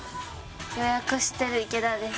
予約してる池田です。